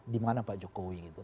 dimana pak jokowi gitu